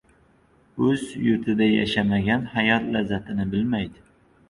• O‘z yurtida yashamagan hayot lazzatini bilmaydi.